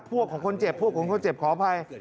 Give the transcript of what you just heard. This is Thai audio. พวกของคนเจ็บพวกของคนเจ็บขออภัย